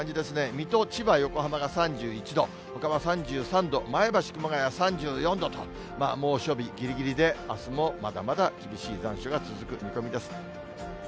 水戸、千葉、横浜が３１度、ほかは３３度、前橋、熊谷３４度と、猛暑日ぎりぎりであすもまだまだ厳しい残暑が続く見込みです。